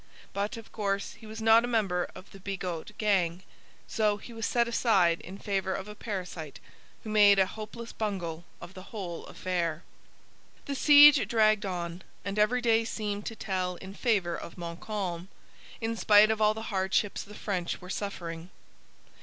But, of course, he was not a member of the Bigot gang. So he was set aside in favour of a parasite, who made a hopeless bungle of the whole affair. The siege dragged on, and every day seemed to tell in favour of Montcalm, in spite of all the hardships the French were suffering.